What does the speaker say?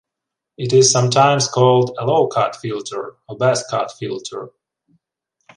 It is sometimes called a low-cut filter or bass-cut filter.